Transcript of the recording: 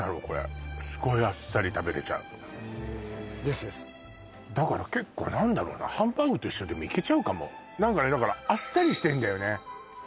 これすっごいあっさり食べれちゃうですですだから結構何だろうなハンバーグと一緒でもいけちゃうかも何かねだからあっさりしてるんだよね